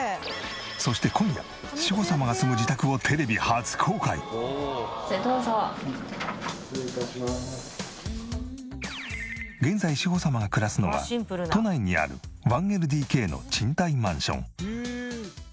そして今夜志保様が住む現在志保様が暮らすのは都内にある１ＬＤＫの賃貸マンション。